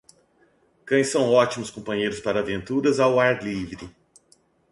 Cães são ótimos companheiros para aventuras ao ar livre.